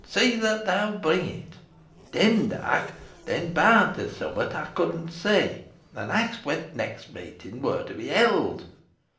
See that thou bring it.' Demdike then bowed to Summat I couldna see; an axt when t' next meeting wur to be held.